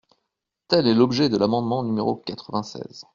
Tel est l’objet de l’amendement numéro quatre-vingt-seize.